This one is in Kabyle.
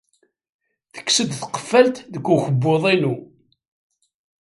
Tekkes-d tqeffalt deg ukebbuḍ-inu.